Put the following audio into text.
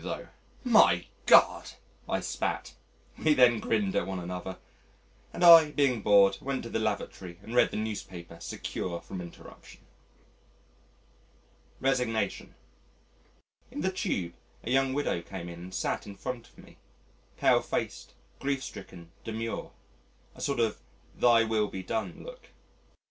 my God!" I spat. We then grinned at one another, and I, being bored, went to the lavatory and read the newspaper secure from interruption. Resignation In the Tube, a young widow came in and sat in front of me pale faced, grief stricken, demure a sort of "Thy Will be Done" look.